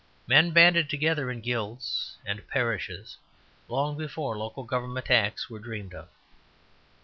Men banded together in guilds and parishes long before Local Government Acts were dreamed of.